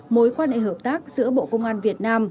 mối quan hệ hợp tác giữa bộ công an việt nam